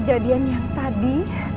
kejadian yang tadi